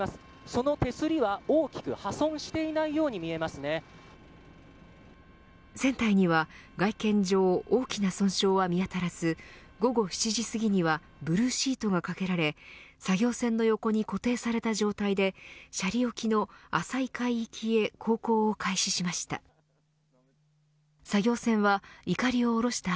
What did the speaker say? その手すりは大きく破損していないように船体には外見上、大きな損傷は見当たらず午後７時すぎにはブルーシートがかけられ作業船の横に固定された状態で斜里沖の浅い海域へ航行を開始しました。